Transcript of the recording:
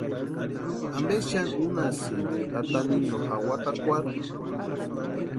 ¿Ampe xani unhasïni tata niño jawatakwarhu?